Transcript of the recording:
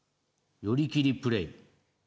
寄り切りプレイ。